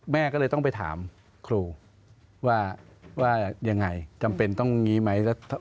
แม่ก็เลยต้องไปถามครูว่ายังไงจำเป็นต้องอย่างนี้ไหม